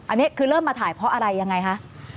อันนี้คือเริ่มมาถ่ายเพราะอะไรยังไงคะ